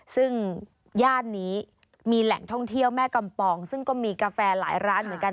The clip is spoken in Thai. ซึ่งย่านนี้มีแหล่งท่องเที่ยวแม่กำปองซึ่งก็มีกาแฟหลายร้านเหมือนกัน